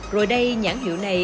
rồi đây nhãn hiệu này